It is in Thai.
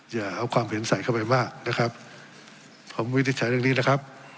อย่าเอาความเห็นใส่เข้าไปมากนะครับผมวินิจฉัยเรื่องนี้นะครับ